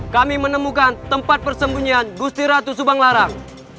kami menemukan tempat persembunyian gusti ratu subang larang